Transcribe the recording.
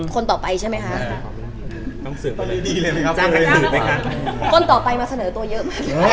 คนต่อไปเรียกว่าต้องสืบพวักครับ